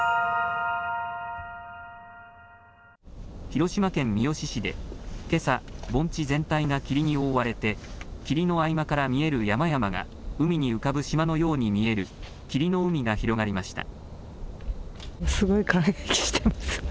広島県三次市でけさ、盆地全体が霧に覆われて霧の合間から見える山々が海に浮かぶ島のように見える霧の海が広がりました。